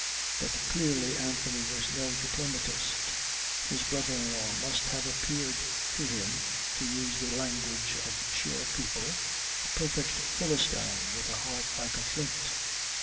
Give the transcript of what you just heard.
But clearly Anthony was no diplomatist. His brother in law must have appeared to him, to use the language of shore people, a perfect philistine with a heart like a flint.